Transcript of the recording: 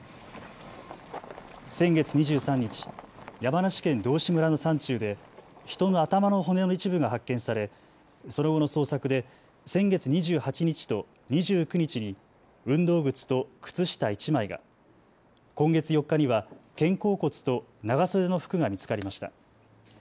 先月２３日、山梨県道志村の山中で人の頭の骨の一部が発見されその後の捜索で先月２８日と２９日に運動靴と靴下１枚が、今月４日には肩甲骨と長袖の服が見つかりました。